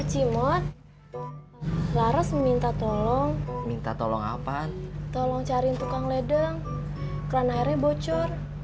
kacimot laras minta tolong minta tolong apaan tolong cari tukang ledeng keran airnya bocor